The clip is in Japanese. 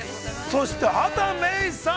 ◆そして畑芽育さん。